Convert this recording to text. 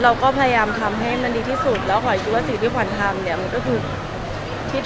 เดี๋ยวเกิดพรุ่งนี้พี่ชอตออกมาพูดอีกมุมนึงอะไรอย่างนี้